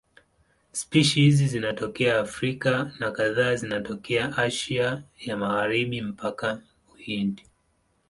Spishi hizi zinatokea Afrika na kadhaa zinatokea Asia ya Magharibi mpaka Uhindi.